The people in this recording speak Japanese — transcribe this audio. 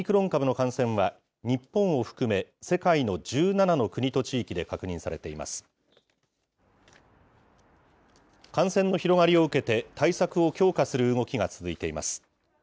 感染の広がりを受けて、対策を強化する動きが続いています。